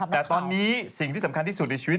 แต่ตอนนี้สิ่งที่สำคัญที่สุดในชีวิต